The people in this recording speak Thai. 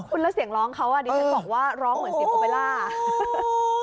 คุณแล้วเสียงร้องเขาอ่ะดิฉันบอกว่าร้องเหมือนเสียงโอเบล่า